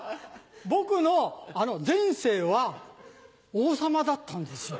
僕の前世は王様だったんですよ。